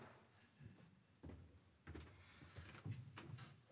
うん。